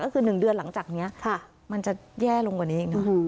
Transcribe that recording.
ก็คือ๑เดือนหลังจากนี้มันจะแย่ลงกว่านี้อีกนะ